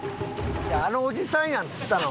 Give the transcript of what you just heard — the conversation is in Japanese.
あのおじさんやん釣ったの。